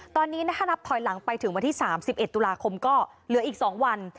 ตอนนี้ถ้านับถอยหลังไปถึงวันที่๓๑ตุลาคมก็เหลืออีก๒วัน